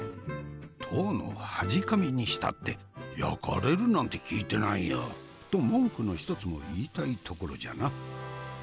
当のはじかみにしたって焼かれるなんて聞いてないよ！と文句の一つも言いたいところじゃな。